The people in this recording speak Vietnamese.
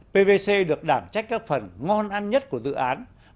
pvc được đảm trách các phần ngon ăn nhất của dự án